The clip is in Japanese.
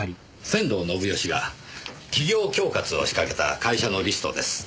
仙道信義が企業恐喝を仕掛けた会社のリストです。